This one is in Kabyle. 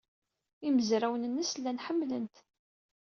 Imezrawen-nnes llan ḥemmlen-t.